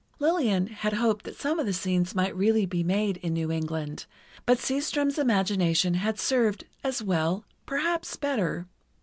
Lillian had hoped that some of the scenes might really be made in New England, but Seastrom's imagination had served as well—perhaps better.